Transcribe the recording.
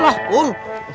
makasih ya pun